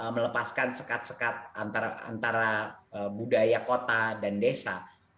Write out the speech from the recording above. melepaskan sekat sekat antara budaya kota dan desa